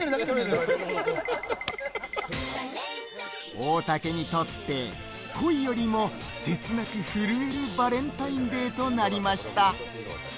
大竹にとって恋よりも切なく震えるバレンタインデーとなりました。